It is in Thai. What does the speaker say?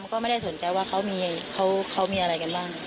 ก็ไม่ได้สนใจว่าเขามีอะไรกันบ้าง